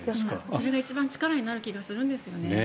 それが一番力になる気がするんですけどね。